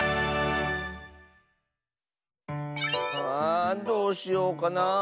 あどうしようかなあ。